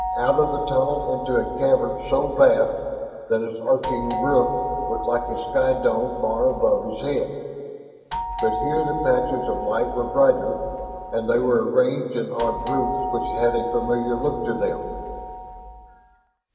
Out of the tunnel into a cavern so vast that its arching roof was like a skydome far above his head. But here the patches of light were brighter, and they were arranged in odd groups which had a familiar look to them.